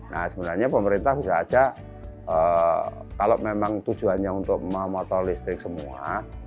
nah sebenarnya pemerintah bisa aja kalau memang tujuannya untuk memotor listrik semua